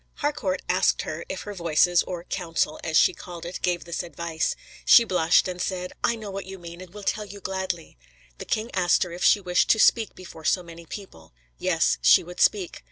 Harcourt asked her if her Voices, or "counsel" (as she called it), gave this advice. She blushed and said: "I know what you mean, and will tell you gladly." The king asked her if she wished to speak before so many people. Yes, she would speak.